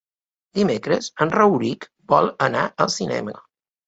Dimecres en Rauric vol anar al cinema.